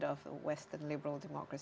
demokrasi liberal di barat